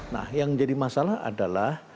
nah yang jadi masalah adalah